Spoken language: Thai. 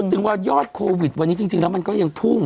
ถึงว่ายอดโควิดวันนี้จริงแล้วมันก็ยังพุ่ง